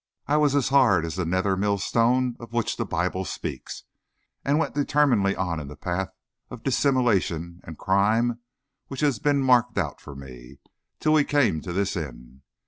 I was hard as the nether millstone of which the Bible speaks, and went determinedly on in the path of dissimulation and crime which had been marked out for me, till we came to this inn.